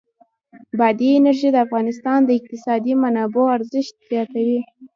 بادي انرژي د افغانستان د اقتصادي منابعو ارزښت زیاتوي.